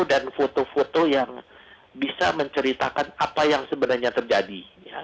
dan foto foto yang bisa menceritakan apa yang sebenarnya terjadi